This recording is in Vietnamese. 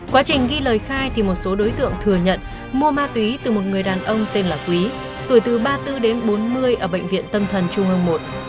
quá trình ghi lời khai thì một số đối tượng thừa nhận mua ma túy từ một người đàn ông tên là quý tuổi từ ba mươi bốn đến bốn mươi ở bệnh viện tâm thần trung ương i